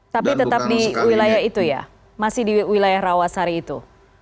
tapi tetap di wilayah itu ya masih di wilayah rawasari itu